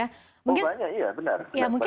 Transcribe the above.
oh banyak iya benar